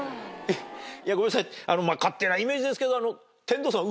ごめんなさい勝手なイメージですけど。